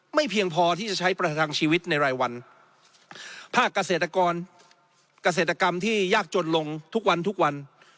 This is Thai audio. เพียงพอที่จะใช้ประทังชีวิตในรายวันภาคเกษตรกรเกษตรกรรมที่ยากจนลงทุกวันทุกวัน